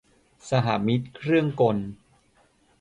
สหมิตรเครื่องกล